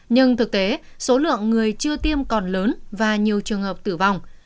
nhưng thực tế số lượng người chưa tiêm còn lớn và nhiều trường hợp tử vong